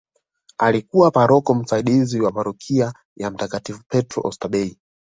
Alikuwa paroko msaidizi wa parokia ya mtakatifu Petro oysterbay